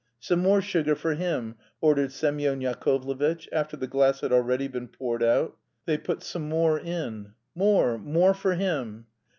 "Some more sugar for him!" ordered Semyon Yakovlevitch, after the glass had already been poured out. They put some more in. "More, more, for him!"